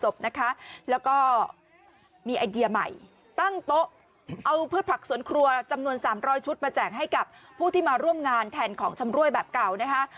ผักสนครัวจำนวน๓๐๐ชุดมาแจกให้กับผู้ที่มาร่วมงานแทนของชำรวยแบบเก่านะฮะ